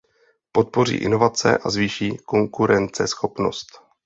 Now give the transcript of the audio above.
Podpoří inovace a zvýší konkurenceschopnost.